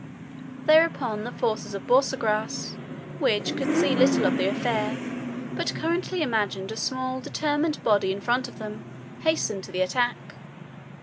Thereupon the forces of Borsagrass, which could see little of the affair, but correctly imagined a small determined body in front of them, hastened to the attack.